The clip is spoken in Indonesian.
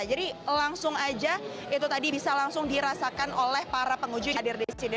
jadi langsung aja itu tadi bisa langsung dirasakan oleh para pengunjung yang hadir di sini